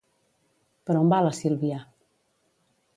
Per on va la Sílvia?